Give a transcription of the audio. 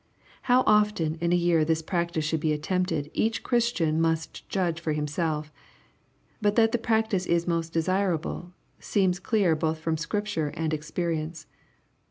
How often in a year this practice should be attempted each Christian must judge for himself But that the practice is most desirable seems clear both from Scripture and experience.